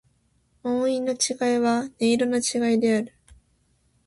音韻の違いは、音色の違いである。